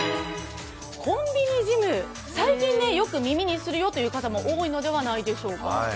コンビニジム、最近、よく耳にするよという方も多いのではないでしょうか。